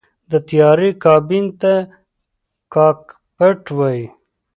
د طیارې کابین ته “کاکپټ” وایي.